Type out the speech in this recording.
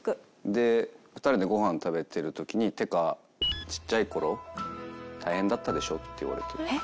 で２人でご飯食べてる時に「っていうかちっちゃい頃大変だったでしょ？」って言われて。